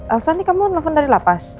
elsa ini kamu telepon dari lapas